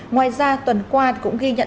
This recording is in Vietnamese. ngoài ra tuần qua cũng ghi nhận